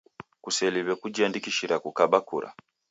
Kuseliw'e kujiandikishira kukaba kura